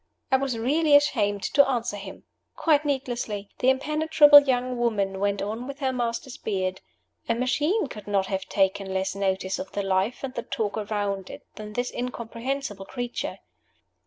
I was really ashamed to answer him. Quite needlessly! The impenetrable young woman went on with her master's beard. A machine could not have taken less notice of the life and the talk around it than this incomprehensible creature.